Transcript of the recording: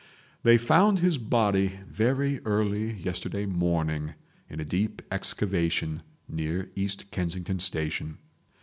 They found his body very early yesterday morning in a deep excavation near East Kensington Station.